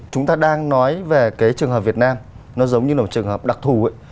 chúng ta đang nói về cái trường hợp việt nam nó giống như một trường hợp đặc thù ấy